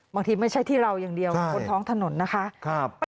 บางทีไม่ใช่ที่เราอย่างเดียวบนท้องถนนนะคะ